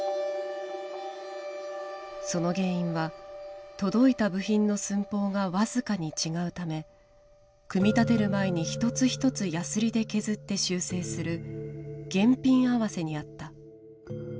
その原因は届いた部品の寸法が僅かに違うため組み立てる前に一つ一つヤスリで削って修正する「現品合わせ」にあった。